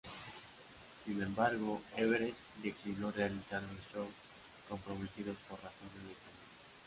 Sin embargo, Everett declinó realizar los shows comprometidos por razones de salud.